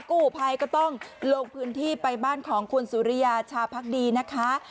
กู้ภัยก็ต้องลงพื้นที่ไปบ้านของคุณสุริยาชาพักดีนะคะ